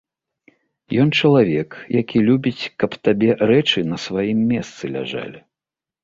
Ён чалавек, які любіць, каб табе рэчы на сваім месцы ляжалі.